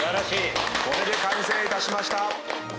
これで完成いたしました。